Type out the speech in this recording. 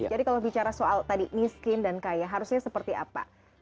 jadi kalau bicara soal tadi miskin dan kaya harusnya seperti apa